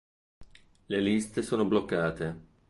Le liste sono bloccate.